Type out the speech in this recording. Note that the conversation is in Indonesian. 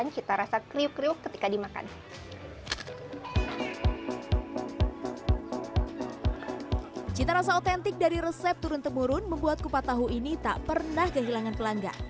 cita rasa otentik dari resep turun temurun membuat kupat tahu ini tak pernah kehilangan pelanggan